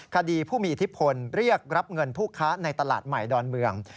คดีผู้มีอิทธิพลเรียกรับเงินผู้ค้าในตลาดใหม่ดอนเมือง